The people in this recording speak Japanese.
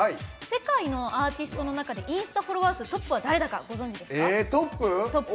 世界のアーティストの中でインスタフォロワー数トップは誰だかご存じですか？